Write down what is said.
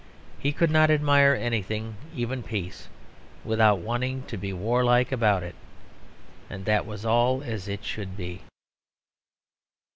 He could not admire anything, even peace, without wanting to be warlike about it. That was all as it should be.